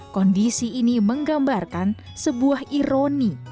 kondisi ini menggambarkan sebuah ironi